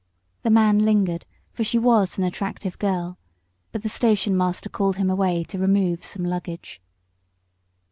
The man lingered, for she was an attractive girl, but the station master called him away to remove some luggage.